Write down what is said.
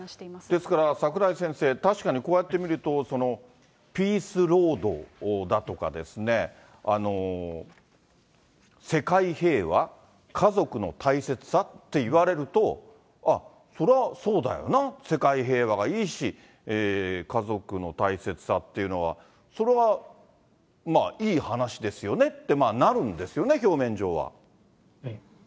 ですから、櫻井先生、確かにこうやって見ると、ピースロードだとかですね、世界平和、家族の大切さっていわれると、あっ、そりゃそうだよな、世界平和がいいし、家族の大切さっていうのは、それはまあ、いい話ですよねってなるんですよね、表面上は。